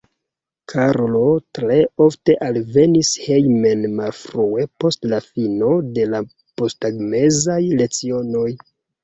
Karlo tre ofte alvenis hejmen malfrue post la fino de la posttagmezaj lecionoj.